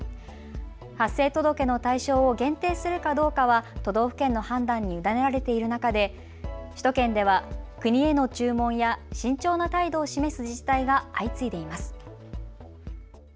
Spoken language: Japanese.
発生届の対象を限定するかどうかは都道府県の判断に委ねられている中で首都圏では国への注文や慎重な態度を示す自治体が相次いでいます。